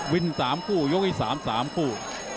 วิน๓คู่ยกอีก๓คู่